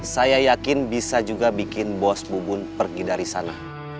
saya yakin bisa juga bikin bos bubun pergi dari sana